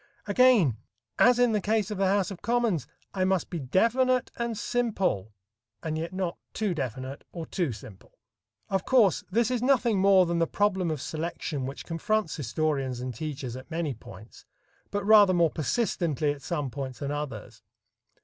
Again, as in the case of the House of Commons, I must be definite and simple, and yet not too definite or too simple. Of course, this is nothing more than the problem of selection which confronts historians and teachers at many points, but rather more persistently at some points than others.